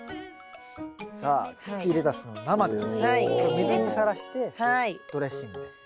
水にさらしてドレッシングで。